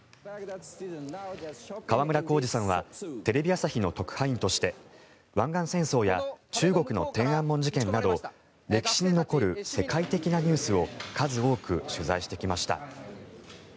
川村晃司さんはテレビ朝日の特派員として湾岸戦争や中国の天安門事件など歴史に残る世界的なニュースを数多く取材してきました。